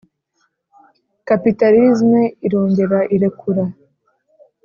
capitalisme irongera irekura